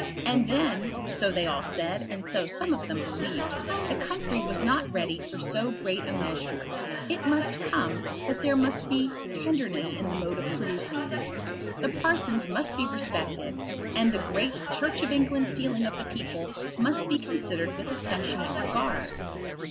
And then, so they all said, and so some of them believed, the country was not ready for so great a measure. It must come; but there must be tenderness in the mode of producing it. The parsons must be respected, and the great Church of England feeling of the people must be considered with affectionate regard.